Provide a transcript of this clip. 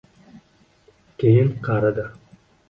Keyin qaridi.